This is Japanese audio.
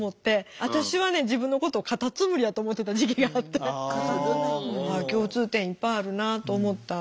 私はね自分のことをカタツムリやと思ってた時期があって共通点いっぱいあるなと思ったんですけど。